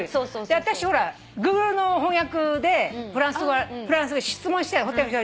私ほらＧｏｏｇｌｅの翻訳でフランス語で質問してホテルの人に。